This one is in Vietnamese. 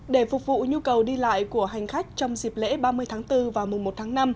để phục vụ nhu cầu đi lại của hành khách trong dịp lễ ba mươi tháng bốn và mùa một tháng năm